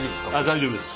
大丈夫です。